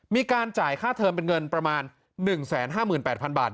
มีการจ่ายค่าเทอมเป็นเงินประมาณ๑๕๘๐๐๐บาท